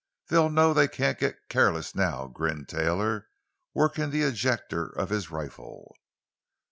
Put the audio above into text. "They'll know they can't get careless, now," grinned Taylor, working the ejector of his rifle.